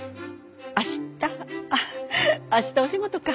明日あっ明日お仕事か。